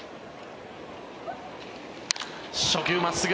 初球、真っすぐ。